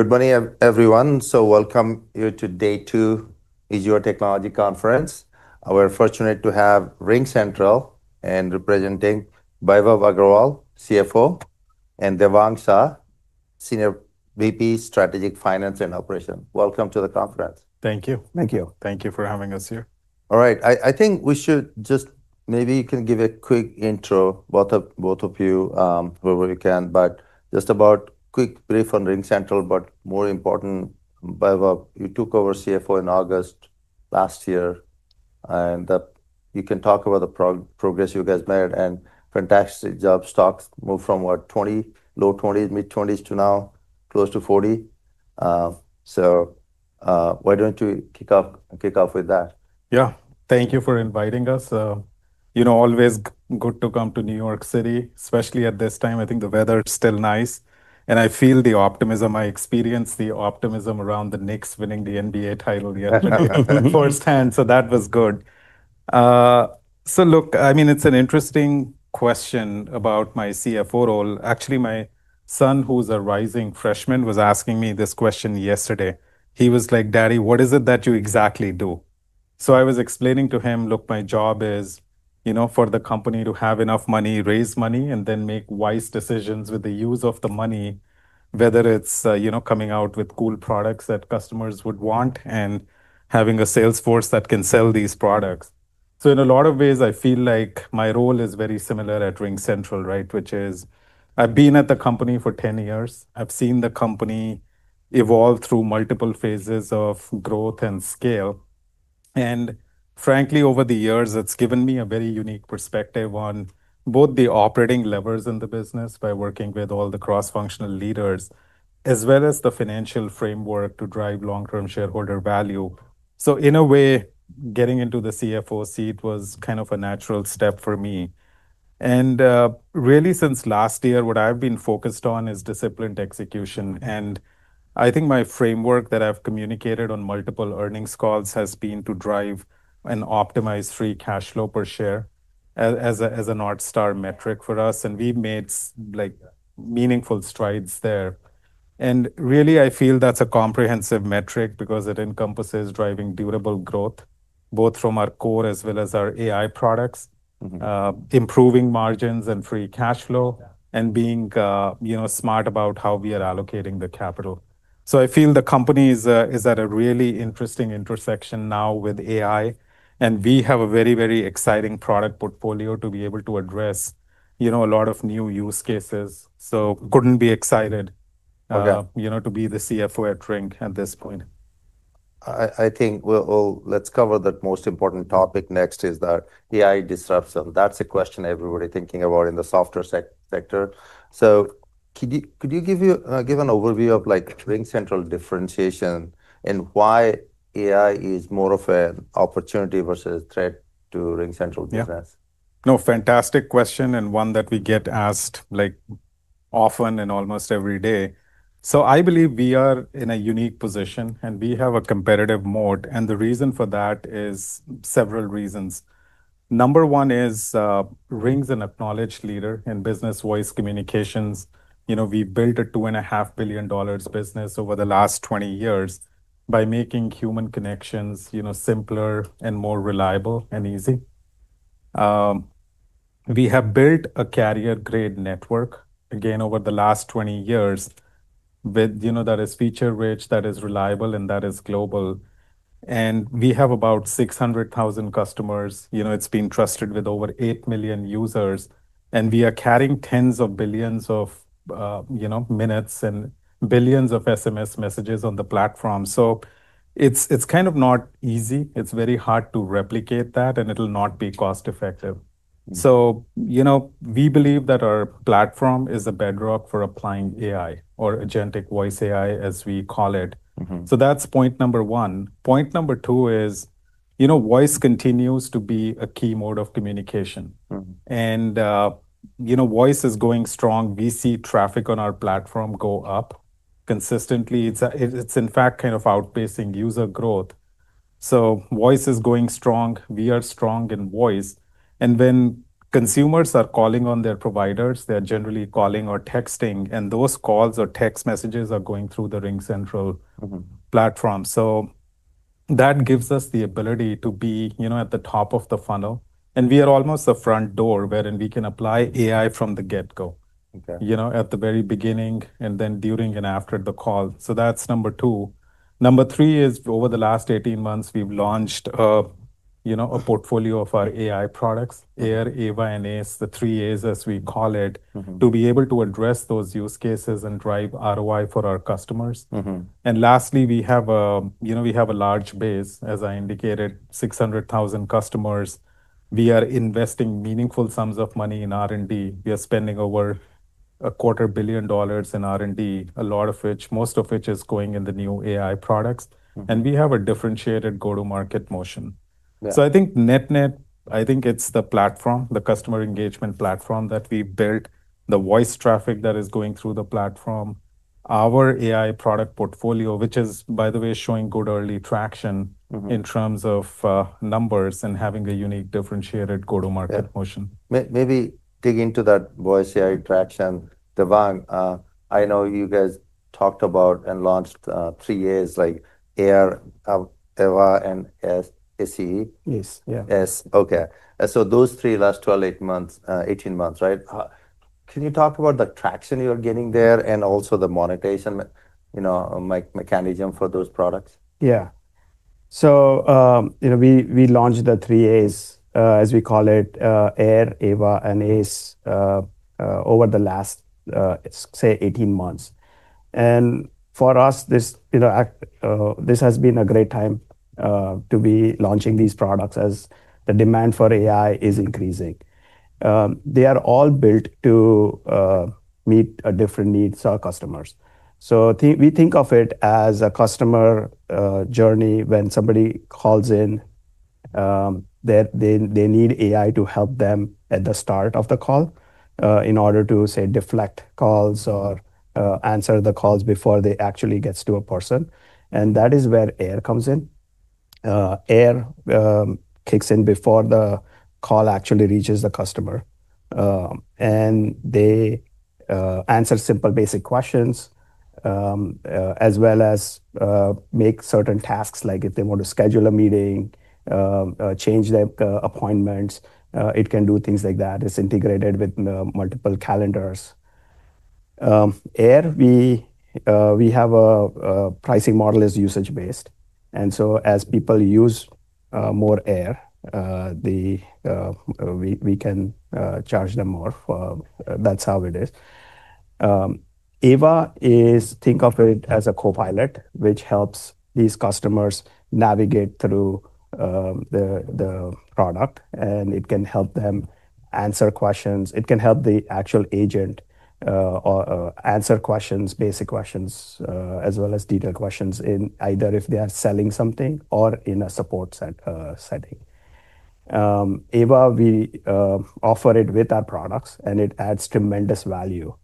Good morning, everyone. Welcome you to day two, Mizuho Technology Conference. We're fortunate to have RingCentral, and representing Vaibhav Agarwal, CFO, and Devang Shah, Senior VP, Strategic Finance and Operations. Welcome to the conference. Thank you. Thank you. Thank you for having us here. All right. I think we should just maybe you can give a quick intro, both of you, wherever you can, but just about quick brief on RingCentral, but more important, Vaibhav, you took over CFO in August last year, and you can talk about the progress you guys made and fantastic job. Stocks moved from what? Low 20s, mid-20s to now close to 40. Why don't you kick off with that? Yeah. Thank you for inviting us. Always good to come to New York City, especially at this time. I think the weather is still nice, and I feel the optimism. I experience the optimism around the Knicks winning the NBA title yesterday firsthand, that was good. Look, it's an interesting question about my CFO role. Actually, my son, who's a rising freshman, was asking me this question yesterday. He was like, "Daddy, what is it that you exactly do?" I was explaining to him, look, my job is for the company to have enough money, raise money, and then make wise decisions with the use of the money, whether it's coming out with cool products that customers would want and having a sales force that can sell these products. In a lot of ways, I feel like my role is very similar at RingCentral, right? Which is, I've been at the company for 10 years. I've seen the company evolve through multiple phases of growth and scale. Frankly, over the years, it's given me a very unique perspective on both the operating levers in the business by working with all the cross-functional leaders, as well as the financial framework to drive long-term shareholder value. In a way, getting into the CFO seat was kind of a natural step for me. Really since last year, what I've been focused on is disciplined execution. I think my framework that I've communicated on multiple earnings calls has been to drive an optimized free cash flow per share as a North Star metric for us, and we've made meaningful strides there. Really, I feel that's a comprehensive metric because it encompasses driving durable growth, both from our core as well as our AI products, improving margins and free cash flow. Yeah Being smart about how we are allocating the capital. I feel the company is at a really interesting intersection now with AI, and we have a very exciting product portfolio to be able to address a lot of new use cases. Couldn't be excited. Okay to be the CFO at Ring at this point. I think, well, let's cover the most important topic next is that AI disruption. That's a question everybody thinking about in the software sector. Could you give an overview of RingCentral differentiation and why AI is more of an opportunity versus threat to RingCentral business? Yeah, fantastic question, one that we get asked often and almost every day. I believe we are in a unique position, we have a competitive mode, and the reason for that is several reasons. Number one is, RingCentral's an acknowledged leader in business voice communications. We built a $2.5 billion business over the last 20 years by making human connections simpler and more reliable and easy. We have built a carrier-grade network, again, over the last 20 years. That is feature-rich, that is reliable, and that is global. We have about 600,000 customers. It's been trusted with over 8 million users, and we are carrying tens of billions of minutes and billions of SMS messages on the platform. It's kind of not easy. It's very hard to replicate that, and it'll not be cost-effective. We believe that our platform is the bedrock for applying AI or agentic voice AI, as we call it. That's point number one. Point number two is voice continues to be a key mode of communication. Voice is going strong. We see traffic on our platform go up consistently. It's in fact kind of outpacing user growth. Voice is going strong. We are strong in voice. When consumers are calling on their providers, they're generally calling or texting, and those calls or text messages are going through the RingCentral platform. That gives us the ability to be at the top of the funnel, and we are almost the front door wherein we can apply AI from the get-go, Okay at the very beginning, and then during and after the call. That's number two. Number three is over the last 18 months, we've launched a portfolio of our AI products, AIR, AVA, and ACE, the three As as we call it, to be able to address those use cases and drive ROI for our customers. Lastly, we have a large base, as I indicated, 600,000 customers. We are investing meaningful sums of money in R&D. We are spending over a quarter billion dollars in R&D, a lot of which, most of which is going in the new AI products. We have a differentiated go-to-market motion. Yeah. I think net-net, I think it's the platform, the customer engagement platform that we built, the voice traffic that is going through the platform, our AI product portfolio, which is, by the way, showing good early traction in terms of numbers and having a unique differentiated go-to-market motion. Yeah. Maybe dig into that voice AI traction. Devang, I know you guys talked about and launched three A's, like AIR, AVA, and ACE? Yes. ACE. Okay. Those three last 12-18 months, right? Can you talk about the traction you're getting there and also the monetization mechanism for those products? Yeah. We launched the three A's, as we call it, AIR, AVA, and ACE, over the last, say, 18 months. For us, this has been a great time to be launching these products as the demand for AI is increasing. They are all built to meet different needs of our customers. We think of it as a customer journey when somebody calls in, that they need AI to help them at the start of the call, in order to, say, deflect calls or answer the calls before it actually gets to a person. That is where AIR comes in. AIR kicks in before the call actually reaches the customer. They answer simple, basic questions, as well as make certain tasks, like if they want to schedule a meeting, change their appointments. It can do things like that. It's integrated with multiple calendars. AIR, we have a pricing model is usage-based. As people use more AIR, we can charge them more for, that's how it is. AVA is, think of it as a co-pilot which helps these customers navigate through the product, and it can help them answer questions. It can help the actual agent, answer questions, basic questions, as well as detailed questions in either if they are selling something or in a support setting. AVA, we offer it with our products, and it adds tremendous value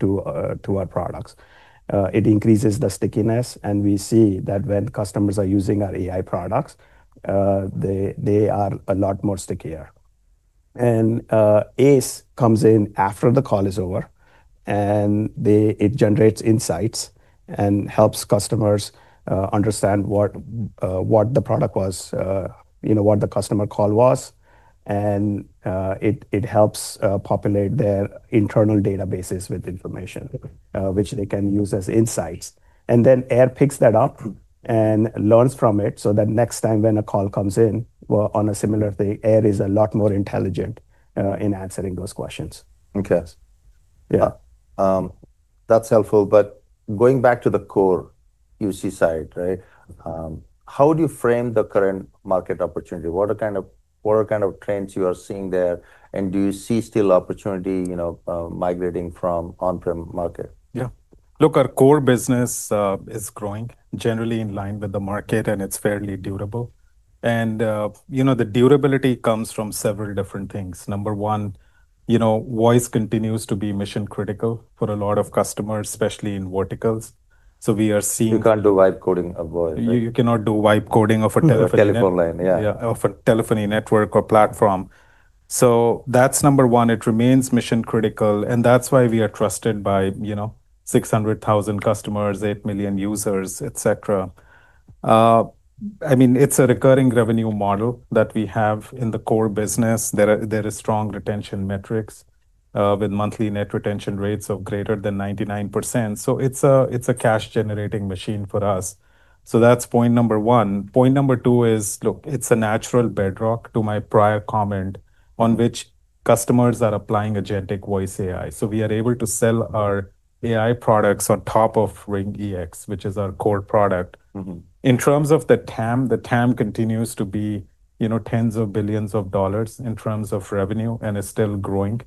to our products. It increases the stickiness, and we see that when customers are using our AI products, they are a lot stickier. ACE comes in after the call is over, and it generates insights and helps customers understand what the product was, what the customer call was. It helps populate their internal databases with information which they can use as insights. Then AIR picks that up and learns from it so that next time when a call comes in on a similar thing, AIR is a lot more intelligent in answering those questions. Okay. Yeah. That's helpful. Going back to the core UC side, how do you frame the current market opportunity? What are kind of trends you are seeing there, do you see still opportunity migrating from on-prem market? Yeah. Look, our core business is growing generally in line with the market, and it's fairly durable. The durability comes from several different things. Number one, voice continues to be mission-critical for a lot of customers, especially in verticals. We are seeing- You can't do voice coding a voice, right? You cannot do voice coding of a telephone line. Of a telephone line. Yeah. Yeah. Of a telephony network or platform. That's number one. It remains mission-critical, and that's why we are trusted by 600,000 customers, 8 million users, et cetera. It's a recurring revenue model that we have in the core business. There are strong retention metrics, with monthly net retention rates of greater than 99%. It's a cash-generating machine for us. That's point number one. Point number two is, look, it's a natural bedrock to my prior comment on which customers are applying agentic voice AI. We are able to sell our AI products on top of RingEX, which is our core product. In terms of the TAM, the TAM continues to be tens of billions of dollars in terms of revenue and is still growing.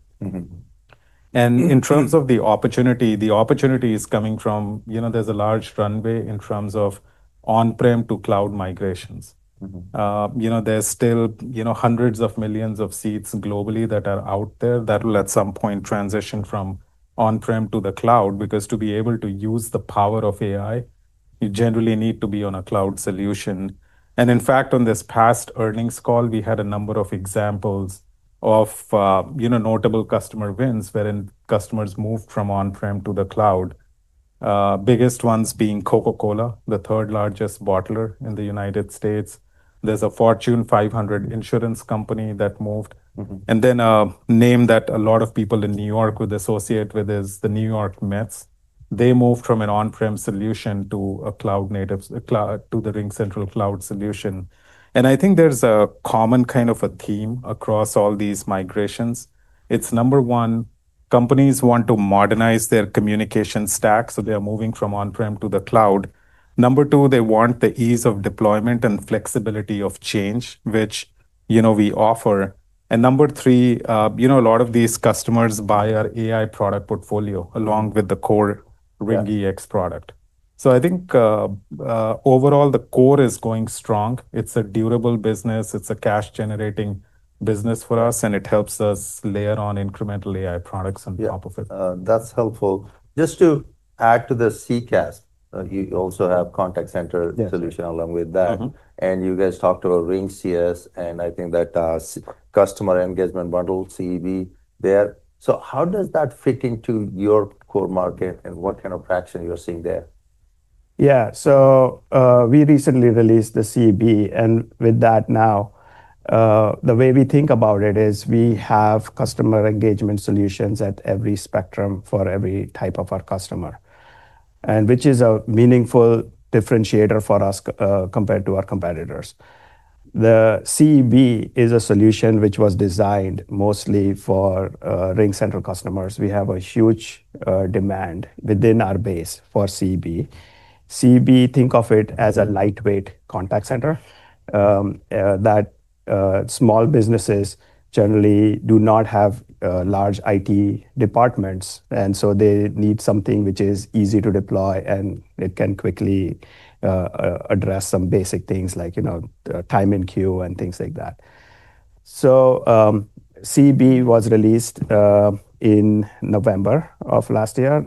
In terms of the opportunity, the opportunity is coming from. There's a large runway in terms of on-prem to cloud migrations. There's still hundreds of millions of seats globally that are out there that will at some point transition from on-prem to the cloud, because to be able to use the power of AI, you generally need to be on a cloud solution. In fact, on this past earnings call, we had a number of examples of notable customer wins wherein customers moved from on-prem to the cloud. Biggest ones being Coca-Cola, the third largest bottler in the U.S. There's a Fortune 500 insurance company that moved. A name that a lot of people in New York would associate with is the New York Mets. They moved from an on-prem solution to the RingCentral cloud solution. I think there's a common kind of a theme across all these migrations. It's number one, companies want to modernize their communication stack, they are moving from on-prem to the cloud. Number two, they want the ease of deployment and flexibility of change, which we offer. Number three, a lot of these customers buy our AI product portfolio along with the core RingEX product. I think overall, the core is going strong. It's a durable business. It's a cash-generating business for us, and it helps us layer on incremental AI products on top of it. Yeah. That's helpful. Just to add to the CCaaS, you also have contact center solution along with that. You guys talked about RingCX, and I think that Customer Engagement Bundle, CEB, there. How does that fit into your core market, and what kind of traction you're seeing there? Yeah. We recently released the CEB. With that now, the way we think about it is we have customer engagement solutions at every spectrum for every type of our customer, which is a meaningful differentiator for us compared to our competitors. The CEB is a solution which was designed mostly for RingCentral customers. We have a huge demand within our base for CEB. CEB, think of it as a lightweight contact center. Small businesses generally do not have large IT departments, so they need something which is easy to deploy, and it can quickly address some basic things like, time in queue and things like that. CEB was released in November of last year.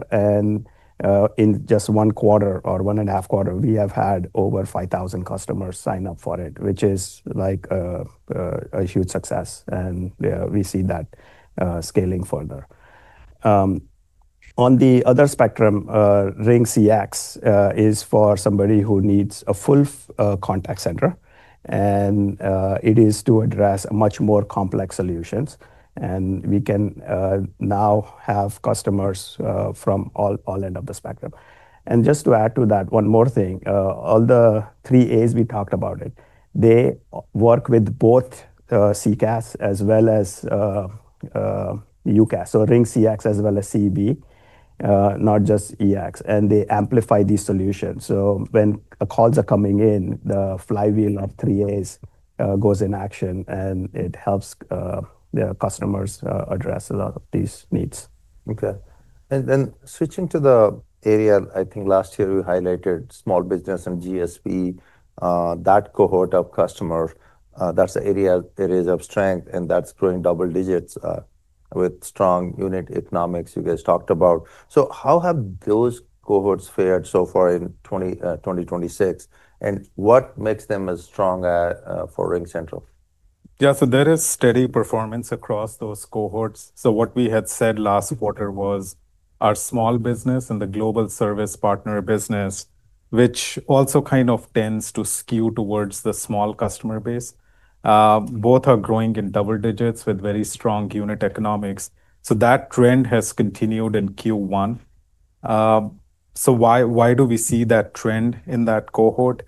In just one quarter or one and a half quarter, we have had over 5,000 customers sign up for it, which is a huge success. We see that scaling further. On the other spectrum, RingCX is for somebody who needs a full contact center, and it is to address much more complex solutions. We can now have customers from all end of the spectrum. Just to add to that, one more thing, all the three As we talked about it, they work with both CCaaS as well as UCaaS, so RingCX as well as CEB, not just EX. They amplify these solutions. When calls are coming in, the flywheel of three As goes in action, and it helps their customers address a lot of these needs. Okay. Switching to the area, I think last year we highlighted small business and GSP, that cohort of customers, that's the areas of strength, and that's growing double digits with strong unit economics you guys talked about. How have those cohorts fared so far in 2026, and what makes them as strong for RingCentral? Yeah, there is steady performance across those cohorts. What we had said last quarter was our small business and the global service partner business, which also kind of tends to skew towards the small customer base, both are growing in double digits with very strong unit economics. That trend has continued in Q1. Why do we see that trend in that cohort?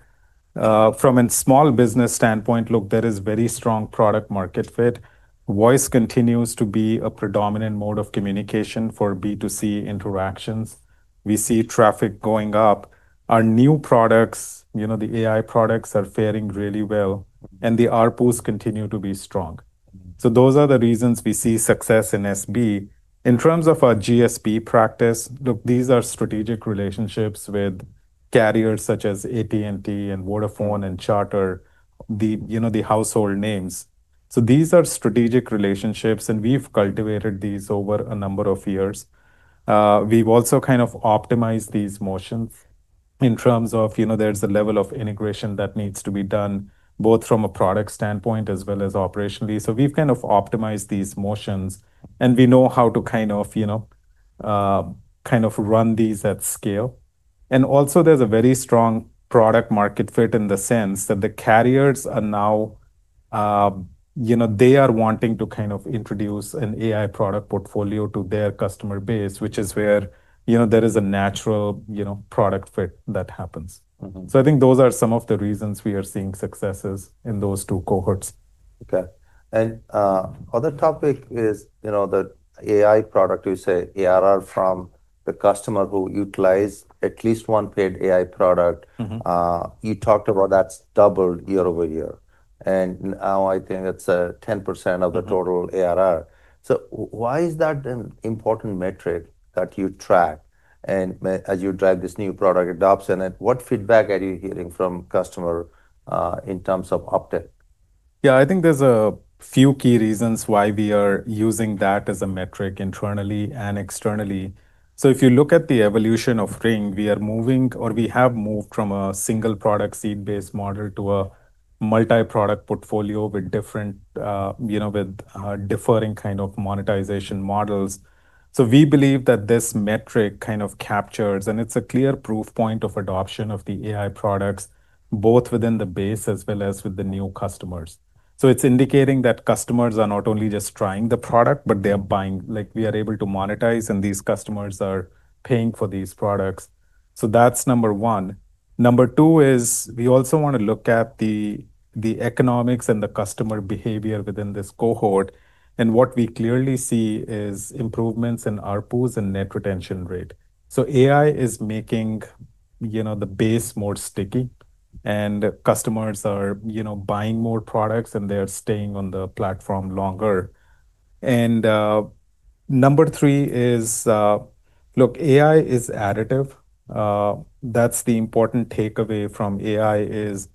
From a small business standpoint, look, there is very strong product market fit. Voice continues to be a predominant mode of communication for B2C interactions. We see traffic going up. Our new products, the AI products, are faring really well, and the ARPUs continue to be strong. Those are the reasons we see success in SB. In terms of our GSP practice, look, these are strategic relationships with carriers such as AT&T and Vodafone and Charter, the household names. These are strategic relationships, we've cultivated these over a number of years. We've also kind of optimized these motions in terms of, there's a level of integration that needs to be done, both from a product standpoint as well as operationally. We've kind of optimized these motions, and we know how to run these at scale. Also there's a very strong product market fit in the sense that the carriers are now wanting to introduce an AI product portfolio to their customer base, which is where there is a natural product fit that happens. I think those are some of the reasons we are seeing successes in those two cohorts. Okay. Other topic is, the AI product, you say ARR from the customer who utilize at least one paid AI product. You talked about that's doubled year-over-year, and now I think that's 10% of the total ARR. Why is that an important metric that you track, and as you drive this new product adoption, what feedback are you hearing from customer, in terms of uptick? I think there's a few key reasons why we are using that as a metric internally and externally. If you look at the evolution of Ring, we are moving or we have moved from a single product seat-based model to a multi-product portfolio with differing kind of monetization models. We believe that this metric kind of captures, and it's a clear proof point of adoption of the AI products, both within the base as well as with the new customers. It's indicating that customers are not only just trying the product, but they are buying. We are able to monetize, and these customers are paying for these products. That's number one. Number two is we also want to look at the economics and the customer behavior within this cohort. What we clearly see is improvements in ARPUs and net retention rate. AI is making the base more sticky, and customers are buying more products, and they're staying on the platform longer. Number three is, look, AI is additive. That's the important takeaway from AI is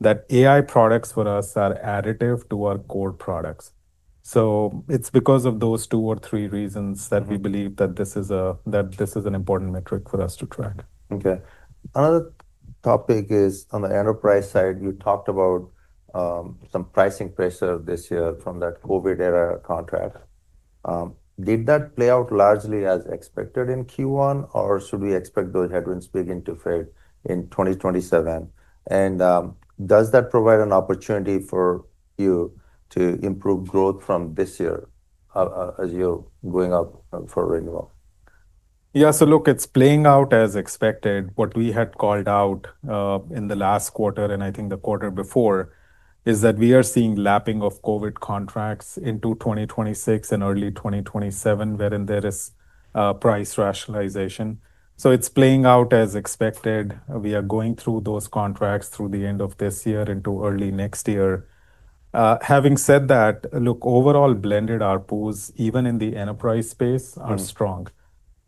that AI products for us are additive to our core products. It's because of those two or three reasons that we believe that this is an important metric for us to track. Another topic is on the enterprise side, you talked about some pricing pressure this year from that COVID era contract. Did that play out largely as expected in Q1, or should we expect those headwinds begin to fade in 2027? Does that provide an opportunity for you to improve growth from this year, as you're going up for renewal? Look, it's playing out as expected. What we had called out in the last quarter, and I think the quarter before, is that we are seeing lapping of COVID contracts into 2026 and early 2027, wherein there is price rationalization. It's playing out as expected. We are going through those contracts through the end of this year into early next year. Having said that, look, overall blended ARPUs, even in the enterprise space, are strong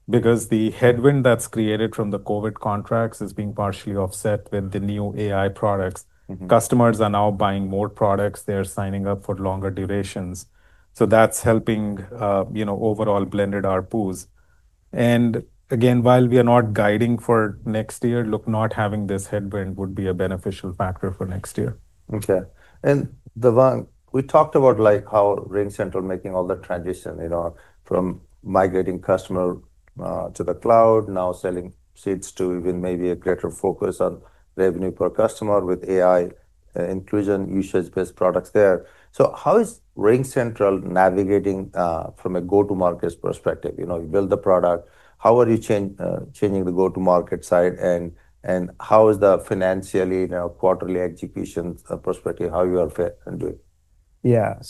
because the headwind that's created from the COVID contracts is being partially offset with the new AI products. Customers are now buying more products. They're signing up for longer durations. That's helping overall blended ARPUs. Again, while we are not guiding for next year, look, not having this headwind would be a beneficial factor for next year. Okay. Devang, we talked about how RingCentral making all the transition, from migrating customer to the cloud, now selling seats to even maybe a greater focus on revenue per customer with AI inclusion, usage-based products there. How is RingCentral navigating from a go-to-market perspective? You build the product. How are you changing the go-to-market side, and how is the financially quarterly execution perspective, how you are fair in doing? Yeah. As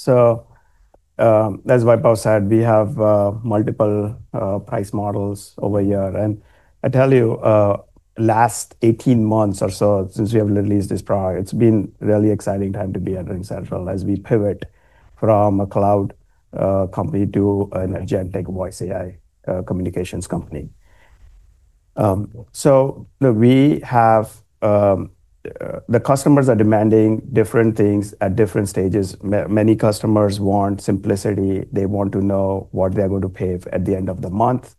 Vaibhav said, we have multiple price models over here. I tell you, last 18 months or so since we have released this product, it's been really exciting time to be at RingCentral as we pivot from a cloud company to an agent voice AI communications company. Customers are demanding different things at different stages. Many customers want simplicity. They want to know what they are going to pay at the end of the month.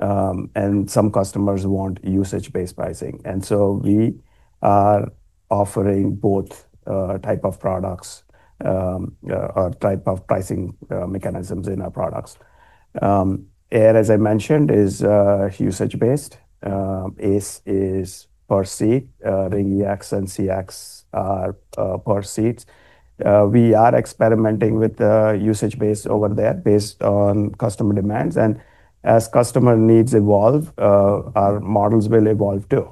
Some customers want usage-based pricing. We are offering both type of products, or type of pricing mechanisms in our products. AIR, as I mentioned, is usage-based. ACE is per seat. RingEX and CX are per seats. We are experimenting with usage-based over there based on customer demands. As customer needs evolve, our models will evolve too.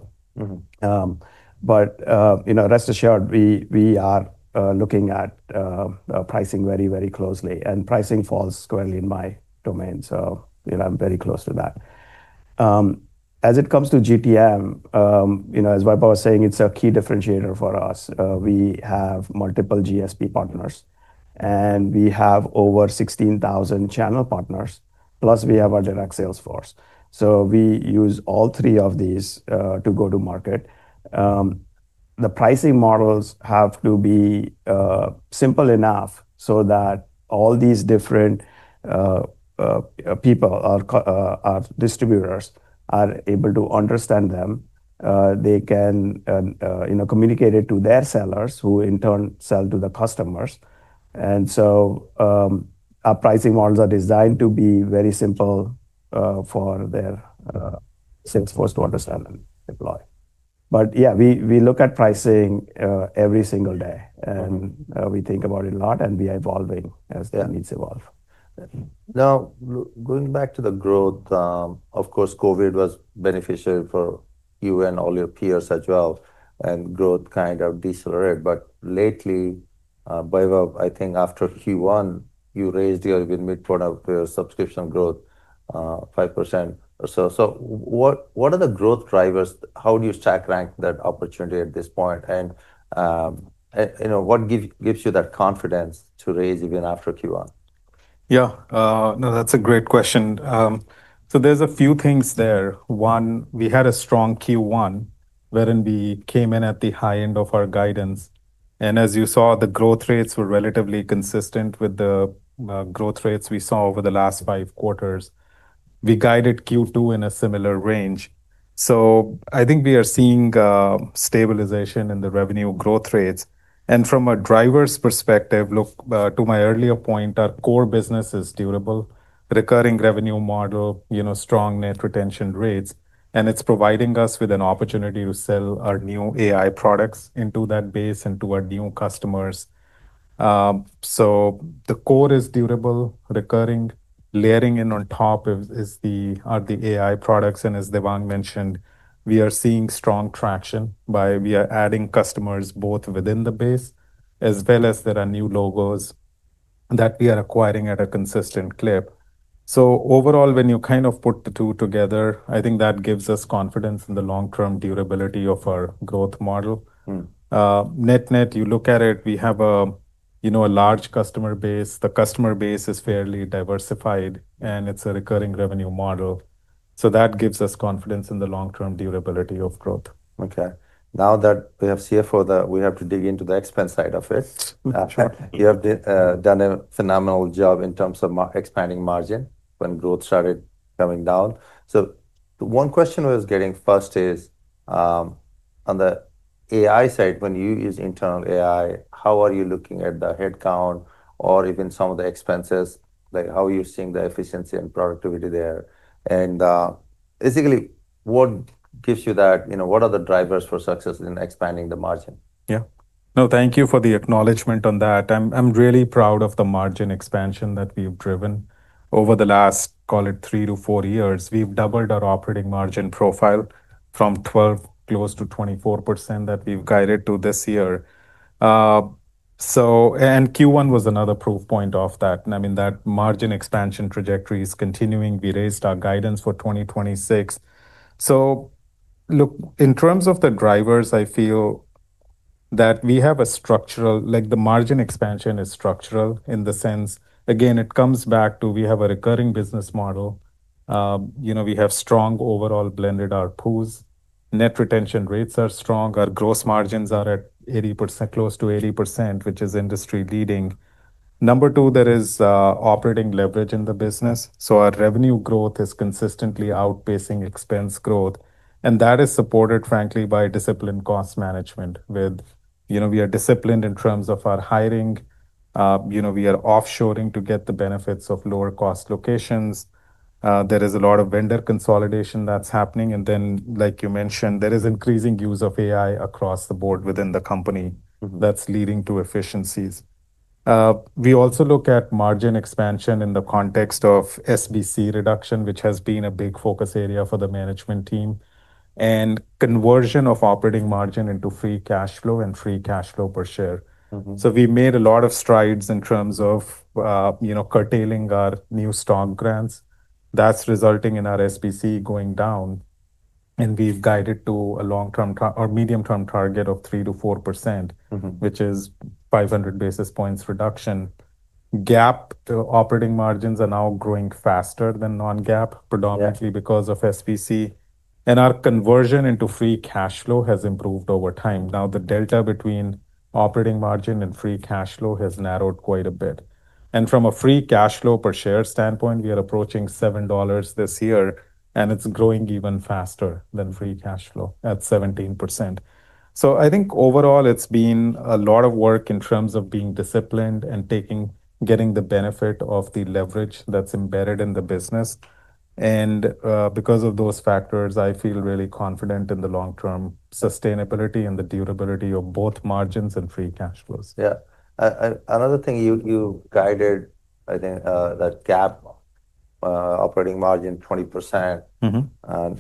Rest assured, we are looking at pricing very closely. Pricing falls squarely in my domain, so I'm very close to that. As it comes to GTM, as Vaibhav was saying, it's a key differentiator for us. We have multiple GSP partners, and we have over 16,000 channel partners. Plus, we have our direct sales force. We use all three of these to go to market. The pricing models have to be simple enough so that all these different people or distributors are able to understand them. They can communicate it to their sellers, who in turn sell to the customers. Our pricing models are designed to be very simple for their sales force to understand and deploy. Yeah, we look at pricing every single day, and we think about it a lot, and we are evolving as their needs evolve. Going back to the growth, of course, COVID was beneficial for you and all your peers as well, and growth kind of decelerated. Lately, Vaibhav, I think after Q1, you raised your even mid point of your subscription growth 5% or so. What are the growth drivers? How do you stack rank that opportunity at this point? What gives you that confidence to raise even after Q1? Yeah. No, that's a great question. There's a few things there. One, we had a strong Q1, wherein we came in at the high end of our guidance. As you saw, the growth rates were relatively consistent with the growth rates we saw over the last five quarters. We guided Q2 in a similar range. I think we are seeing stabilization in the revenue growth rates. From a driver's perspective, look, back to my earlier point, our core business is durable, recurring revenue model, strong net retention rates, and it's providing us with an opportunity to sell our new AI products into that base and to our new customers. The core is durable, recurring. Layering in on top are the AI products. As Devang mentioned, we are seeing strong traction, we are adding customers both within the base as well as there are new logos that we are acquiring at a consistent clip. Overall, when you put the two together, I think that gives us confidence in the long-term durability of our growth model. Net-net, you look at it, we have a large customer base. The customer base is fairly diversified, and it's a recurring revenue model. That gives us confidence in the long-term durability of growth. Now that we have CFO, we have to dig into the expense side of it. Sure. You have done a phenomenal job in terms of expanding margin when growth started coming down. The one question I was getting first is on the AI side, when you use internal AI, how are you looking at the headcount or even some of the expenses? How are you seeing the efficiency and productivity there? Basically, what are the drivers for success in expanding the margin? Thank you for the acknowledgement on that. I'm really proud of the margin expansion that we've driven over the last, call it three to four years. We've doubled our operating margin profile from 12% close to 24% that we've guided to this year. Q1 was another proof point of that. That margin expansion trajectory is continuing. We raised our guidance for 2026. Look, in terms of the drivers, I feel that the margin expansion is structural in the sense, again, it comes back to we have a recurring business model. We have strong overall blended ARPUs. Net retention rates are strong. Our gross margins are at close to 80%, which is industry-leading. Number two, there is operating leverage in the business. Our revenue growth is consistently outpacing expense growth, frankly, by disciplined cost management. We are disciplined in terms of our hiring. We are off-shoring to get the benefits of lower-cost locations. There is a lot of vendor consolidation that's happening. Like you mentioned, there is increasing use of AI across the board within the company that's leading to efficiencies. We also look at margin expansion in the context of SBC reduction, which has been a big focus area for the management team, and conversion of operating margin into free cash flow and free cash flow per share. We've made a lot of strides in terms of curtailing our new stock grants. That's resulting in our SBC going down, and we've guided to a long-term or medium-term target of 3%-4%. Which is 500 basis points reduction. GAAP operating margins are now growing faster than non-GAAP. Yeah Predominantly because of SBC. Our conversion into free cash flow has improved over time. Now, the delta between operating margin and free cash flow has narrowed quite a bit. From a free cash flow per share standpoint, we are approaching $7 this year, and it's growing even faster than free cash flow at 17%. I think overall, it's been a lot of work in terms of being disciplined and getting the benefit of the leverage that's embedded in the business. Because of those factors, I feel really confident in the long-term sustainability and the durability of both margins and free cash flows. Yeah. Another thing you guided, I think, that GAAP operating margin 20%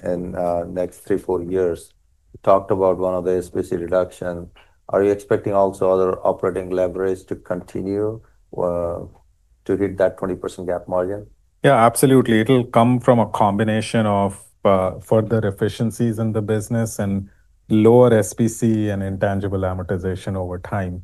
in next three, four years. You talked about one of the SBC reduction. Are you expecting also other operating leverage to continue to hit that 20% GAAP margin? Yeah, absolutely. It'll come from a combination of further efficiencies in the business and lower SBC and intangible amortization over time.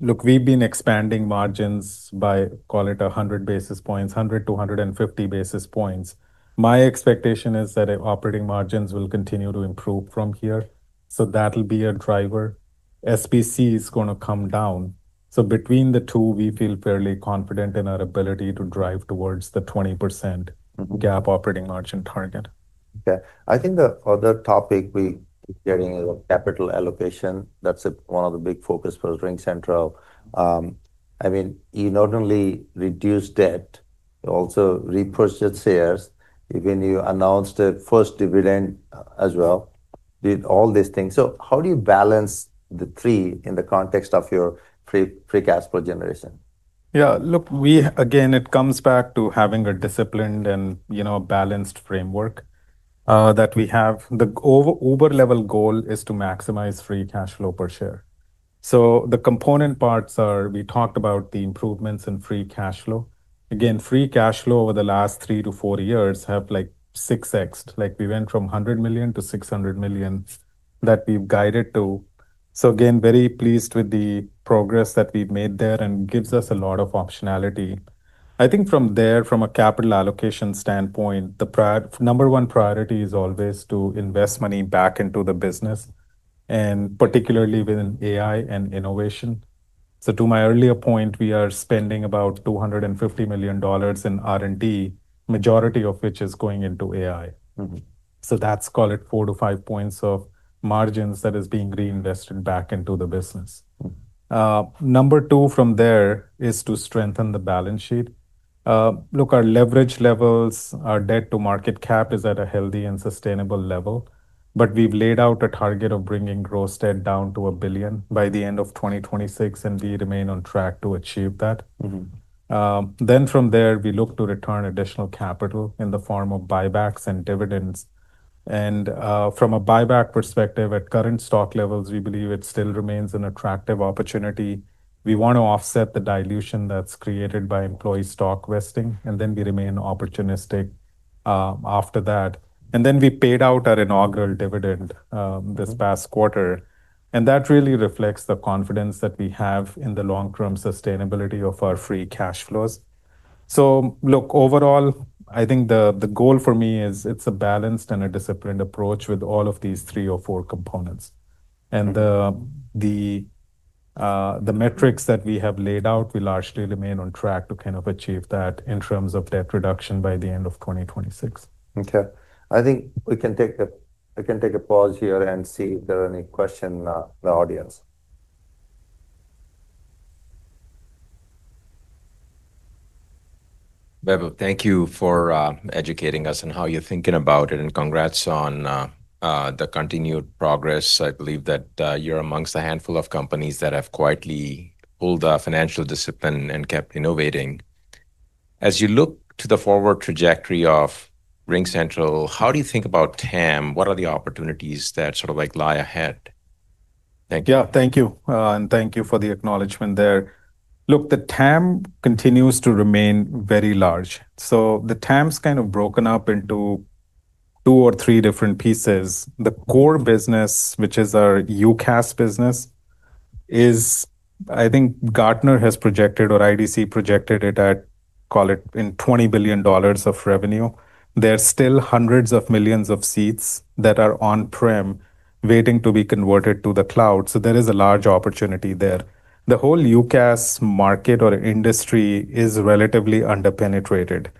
Look, we've been expanding margins by, call it 100 basis points, 100-150 basis points. My expectation is that operating margins will continue to improve from here. That'll be a driver. SBC is going to come down. Between the two, we feel fairly confident in our ability to drive towards the 20% GAAP operating margin target. I think the other topic we keep getting is capital allocation. That's one of the big focus for RingCentral. You not only reduced debt, you also repurchased shares. Even you announced the first dividend as well, did all these things. How do you balance the three in the context of your free cash flow generation? Again, it comes back to having a disciplined and a balanced framework that we have. The over-level goal is to maximize free cash flow per share. The component parts are, we talked about the improvements in free cash flow. Again, free cash flow over the last three to four years have 6x. We went from $100 million to $600 million that we've guided to. Again, very pleased with the progress that we've made there and gives us a lot of optionality. I think from there, from a capital allocation standpoint, the number one priority is always to invest money back into the business, and particularly within AI and innovation. To my earlier point, we are spending about $250 million in R&D, majority of which is going into AI. That's, call it 4-5 points of margins that is being reinvested back into the business. Number two from there is to strengthen the balance sheet. Our leverage levels, our debt to market cap is at a healthy and sustainable level. We've laid out a target of bringing gross debt down to $1 billion by the end of 2026, and we remain on track to achieve that. From there, we look to return additional capital in the form of buybacks and dividends. From a buyback perspective, at current stock levels, we believe it still remains an attractive opportunity. We want to offset the dilution that's created by employee stock vesting, we remain opportunistic after that. We paid out our inaugural dividend. This past quarter, that really reflects the confidence that we have in the long-term sustainability of our free cash flows. Look, overall, I think the goal for me is it's a balanced and a disciplined approach with all of these three or four components. The metrics that we have laid out will largely remain on track to achieve that in terms of debt reduction by the end of 2026. Okay. I think we can take a pause here and see if there are any questions in the audience. Vaibhav, thank you for educating us on how you're thinking about it, congrats on the continued progress. I believe that you're amongst a handful of companies that have quietly pulled financial discipline and kept innovating. As you look to the forward trajectory of RingCentral, how do you think about TAM? What are the opportunities that sort of lie ahead? Thank you. Yeah. Thank you, thank you for the acknowledgement there. Look, the TAM continues to remain very large. The TAM's kind of broken up into two or three different pieces. The core business, which is our UCaaS business, is, I think Gartner has projected or IDC projected it at, call it, in $20 billion of revenue. There are still hundreds of millions of seats that are on-prem waiting to be converted to the cloud. There is a large opportunity there. The whole UCaaS market or industry is relatively under-penetrated.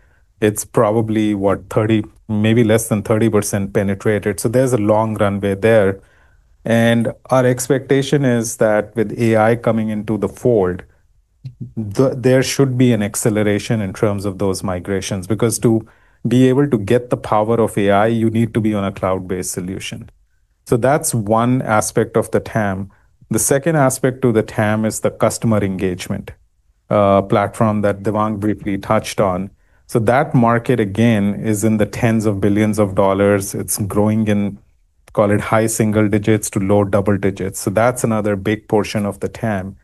It's probably, what, 30, maybe less than 30% penetrated. There's a long runway there. Our expectation is that with AI coming into the fold, there should be an acceleration in terms of those migrations. Because to be able to get the power of AI, you need to be on a cloud-based solution. That's one aspect of the TAM. The second aspect to the TAM is the customer engagement platform that Devang briefly touched on. That market, again, is in the tens of billions of dollars. It's growing in, call it, high single digits to low double digits. That's another big portion of the TAM.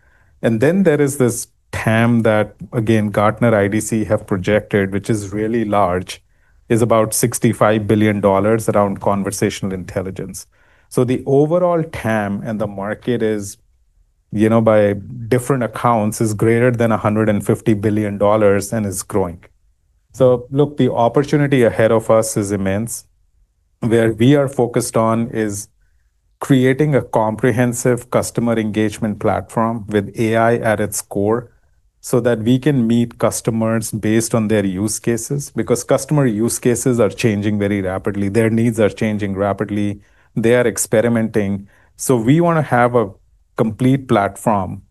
Then there is this TAM that, again, Gartner, IDC have projected, which is really large, is about $65 billion around conversational intelligence. The overall TAM in the market is, by different accounts, is greater than $150 billion and is growing. Look, the opportunity ahead of us is immense. Where we are focused on is creating a comprehensive customer engagement platform with AI at its core so that we can meet customers based on their use cases, because customer use cases are changing very rapidly. Their needs are changing rapidly. They are experimenting. We want to have a complete platform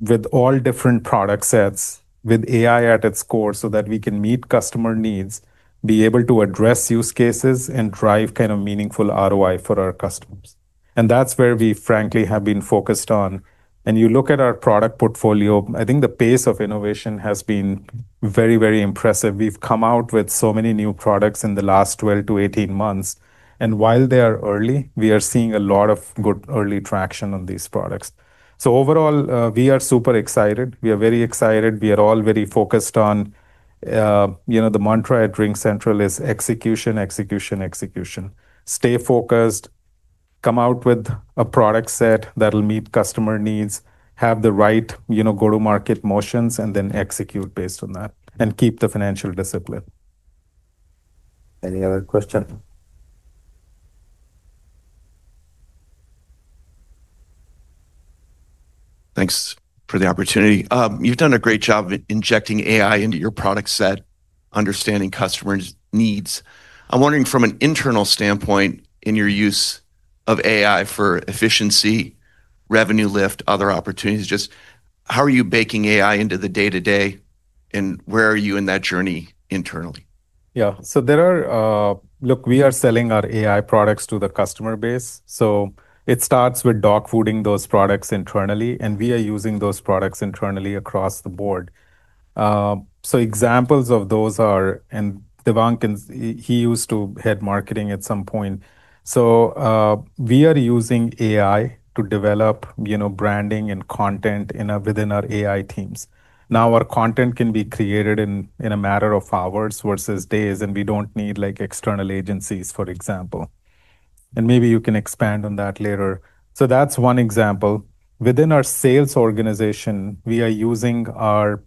with all different product sets, with AI at its core, so that we can meet customer needs, be able to address use cases, and drive meaningful ROI for our customers. That's where we frankly have been focused on. You look at our product portfolio, I think the pace of innovation has been very, very impressive. We've come out with so many new products in the last 12-18 months. While they are early, we are seeing a lot of good early traction on these products. Overall, we are super excited. We are very excited. We are all very focused on The mantra at RingCentral is execution, execution. Stay focused, come out with a product set that'll meet customer needs, have the right go-to-market motions, execute based on that, keep the financial discipline. Any other question? Thanks for the opportunity. You've done a great job of injecting AI into your product set, understanding customers' needs. I'm wondering from an internal standpoint, in your use of AI for efficiency, revenue lift, other opportunities, just how are you baking AI into the day-to-day, and where are you in that journey internally? Look, we are selling our AI products to the customer base, It starts with dogfooding those products internally, We are using those products internally across the board. Examples of those are, Devang, he used to head marketing at some point. We are using AI to develop branding and content within our AI teams. Now, our content can be created in a matter of hours versus days, We don't need external agencies, for example. Maybe you can expand on that later. That's one example. Within our sales organization, we are using all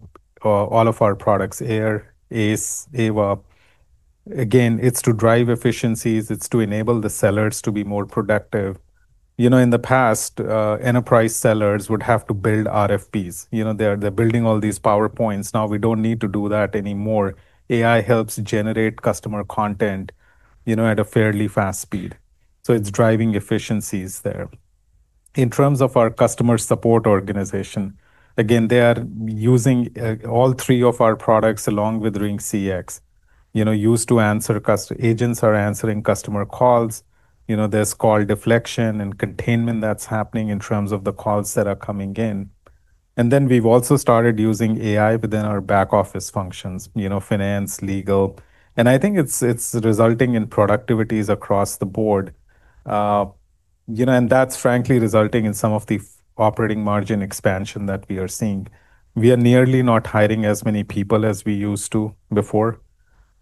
of our products, AIR, ACE, AVA. Again, it's to drive efficiencies. It's to enable the sellers to be more productive. In the past, enterprise sellers would have to build RFPs. They're building all these PowerPoints. Now we don't need to do that anymore. AI helps generate customer content at a fairly fast speed. It's driving efficiencies there. In terms of our customer support organization, again, they are using all three of our products along with RingCX, Agents are answering customer calls. There's call deflection and containment that's happening in terms of the calls that are coming in. We've also started using AI within our back-office functions, finance, legal. I think it's resulting in productivities across the board. That's frankly resulting in some of the operating margin expansion that we are seeing. We are nearly not hiring as many people as we used to before.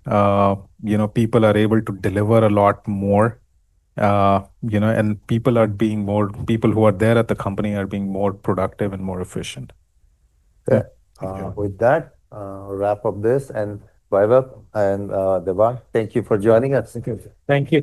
People are able to deliver a lot more. People who are there at the company are being more productive and more efficient. Yeah. Yeah. With that, I'll wrap up this. Vaibhav and Devang, thank you for joining us. Thank you. Thank you.